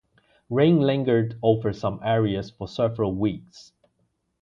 Rain lingered over some areas for several weeks.